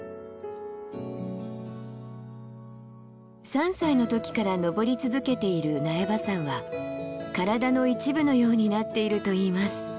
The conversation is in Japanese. ３歳の時から登り続けている苗場山は体の一部のようになっているといいます。